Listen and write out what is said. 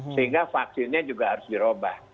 sehingga vaksinnya juga harus dirubah